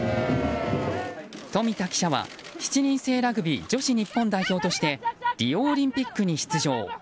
冨田記者は７人制ラグビー女子日本代表としてリオオリンピックに出場。